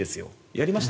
やりました？